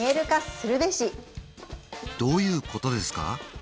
どういうことですか？